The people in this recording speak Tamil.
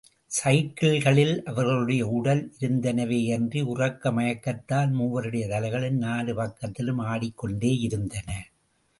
சைக்கிள்களில் அவர்களுடைய உடல் இருந்தனவேயன்றி, உறக்க மயக்கத்தால் மூவருடைய தலைகளும் நாலு பக்கத்திலும் ஆடிக்கொண்டேயிருந்தன.